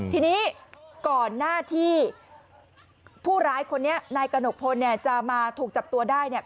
ทีนี้ก่อนหน้าที่ผู้ร้ายคนนี้นายกระหนกพลเนี่ยจะมาถูกจับตัวได้เนี่ย